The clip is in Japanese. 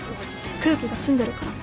空気が澄んでるから。